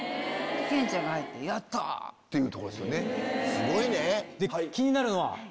すごいね。